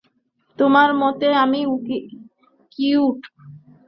তোমার মতে আমি কিউট।